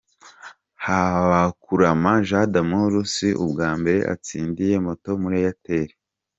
Habakurama Jean D'amour si ubwa mbere atsindiye moto muri Airtel.